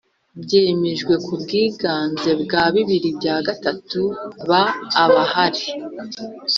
Byemejwe ku bwiganze bwa bibiri bya gatatu ba’abahari